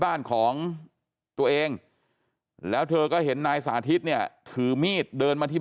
บ้านของตัวเองแล้วเธอก็เห็นนายสาธิตเนี่ยถือมีดเดินมาที่